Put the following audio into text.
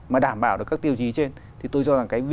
mà đảm bảo được các tiêu chí trên thì tôi cho rằng